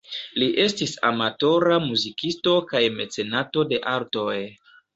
Li estis amatora muzikisto kaj mecenato de artoj.